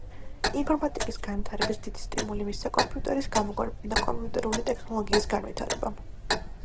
ინფორმატიკის განვითარებას დიდი სტიმული მისცა კომპიუტერის გამოგონებამ და კომპიუტერული ტექნოლოგიის განვითარებამ.